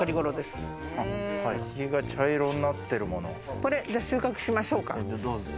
これ、収穫しましょうか。